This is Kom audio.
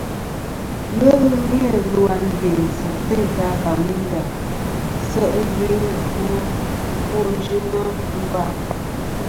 Ghelɨ ni-a lu a ndiynsɨ̀ teyn ta Bamenda se' i yuyn i ɨfwo yɨnɨ a ngva.